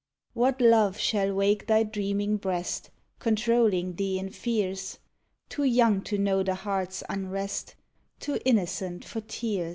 What love shall wake thy dreaming breast, Controlling thee in fears? Too young to know the heart's unrest, Too innocent for tears!